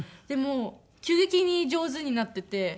でもう急激に上手になってて。